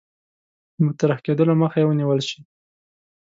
د مطرح کېدلو مخه یې ونیول شي.